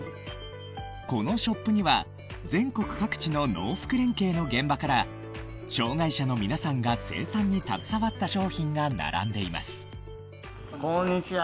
このショップには全国各地の農福連携の現場から障害者の皆さんが生産に携わった商品が並んでいます